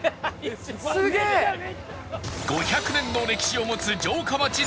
５００年の歴史を持つ城下町ならでは！